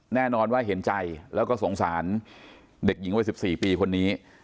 แน่นอนว่าเห็นใจแล้วก็สงสารเด็กหญิงวัย๑๔ปีคนนี้